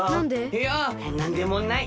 いやなんでもない。